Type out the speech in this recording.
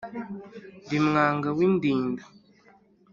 Ndi Mwaga w'Indinda